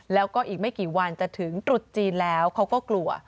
แล้วก็อีกไม่กี่วันจะถึงตรุษจีนแล้วเขาก็กลัว